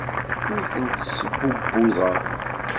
Ur tent-sbubbuḍeɣ.